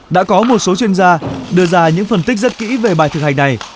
đã có một số chuyên gia đưa ra những phân tích rất kỹ về bài thực hành này